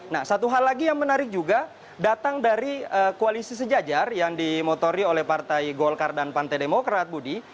nah satu hal lagi yang menarik juga datang dari koalisi sejajar yang dimotori oleh partai golkar dan partai demokrat budi